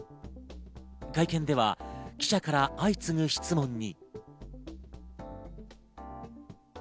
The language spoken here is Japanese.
会見では、記者から相次ぐ質問に。